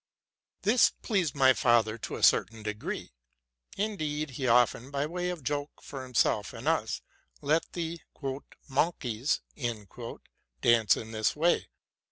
This pleased my father to a certain degree; indeed, he often, by way of joke for himself and us, let the '* monkies"' daring in this way.